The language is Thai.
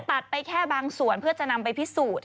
ตัดไปแค่บางส่วนเพื่อจะนำไปพิสูจน์